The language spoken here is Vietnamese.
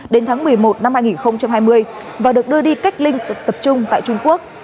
đến tháng một mươi một năm hai nghìn hai mươi và được đưa đi cách ly tập trung tại trung quốc